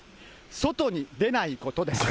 外に出ないことですと。